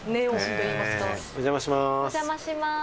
お邪魔します。